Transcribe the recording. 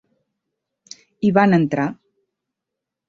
I van entrar.